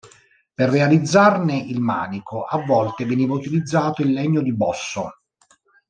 Per realizzarne il manico a volte veniva utilizzato il legno di bosso.